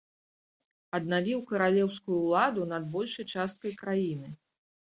Аднавіў каралеўскую ўладу над большай часткай краіны.